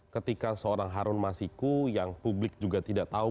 ketika seorang harun masiku yang publik juga tidak tahu